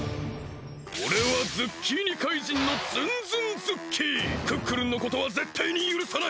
おれはズッキーニ怪人のクックルンのことはぜったいにゆるさない！